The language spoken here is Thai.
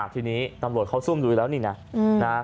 ทีนี้ตำรวจเขาซุ่มดูแล้วนี่นะ